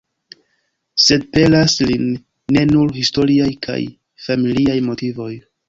Sed pelas lin ne nur historiaj kaj familiaj motivoj.